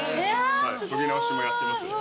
研ぎ直しもやってます。